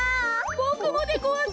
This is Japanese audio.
ボクもでごわす！